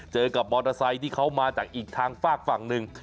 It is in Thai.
เจอกับมอเตอร์ไซค์ที่เขามาจากอีกทางฝากฝั่งหนึ่ง